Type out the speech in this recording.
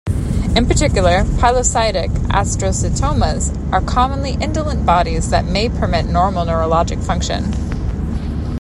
In particular, pilocytic astrocytomas are commonly indolent bodies that may permit normal neurologic function.